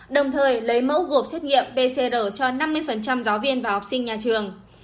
đồng thời lấy mẫu gộp xét nghiệm pcr cho năm mươi giáo viên và học sinh nhà trường